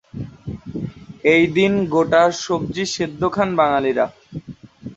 এই দিন গোটা সবজি সেদ্ধ খান বাঙালিরা।